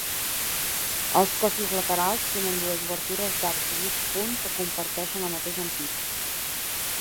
Els cossos laterals tenen dues obertures d'arc de mig punt que comparteixen el mateix ampit.